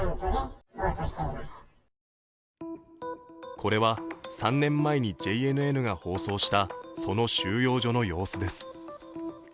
これは３年前にＪＮＮが放送したその収容所の様子です。